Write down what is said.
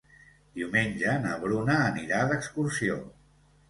Diumenge na Bruna anirà d'excursió.